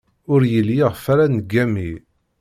Ur yelli iɣef ara neggami.